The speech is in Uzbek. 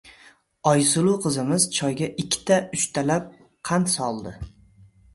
Oysuluv qizimiz choyga ikkita-uchtalab qand soldi.